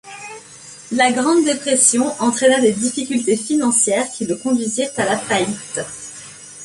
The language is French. La grande dépression entraina des difficultés financières qui le conduisirent à la faillite.